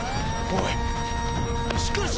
おい！